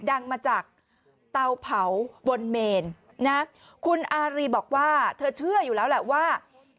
ดังมาจากเตาเผาบนเมนนะคุณอารีบอกว่าเธอเชื่ออยู่แล้วแหละว่า